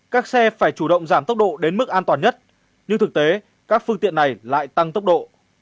các xe phải chủ động giảm tốc độ đến mức an toàn nhất nhưng thực tế các phương tiện này lại tăng tốc độ